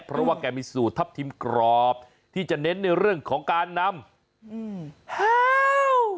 เพราะว่าแกมีสูตรทัพทิมกรอบที่จะเน้นในเรื่องของการนำห้าว